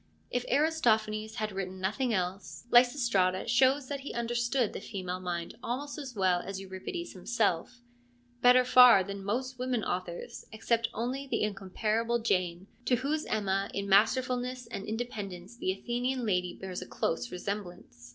If Aristophanes had written nothing else, Lysistrata shows that he understood the female mind almost as well as Euripides himself : better far than most women authors, except only the incomparable Jane, to whose Emma in masterfulness and independence the Athenian lady bears a close resemblance.